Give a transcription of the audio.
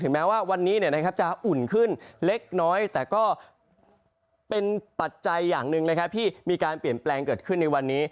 แม้ว่าวันนี้จะอุ่นขึ้นเล็กน้อยแต่ก็เป็นปัจจัยอย่างหนึ่งนะครับที่มีการเปลี่ยนแปลงเกิดขึ้นในวันนี้